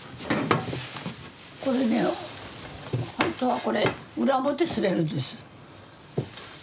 これね本当はこれ裏表刷れるんです。